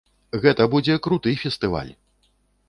Гэта будзе круты фестываль!